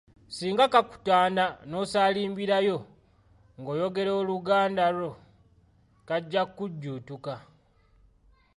Singa kakutanda n’osaalimbirayo ng’oyogera Oluganda lwo kajja kukujjuutuka.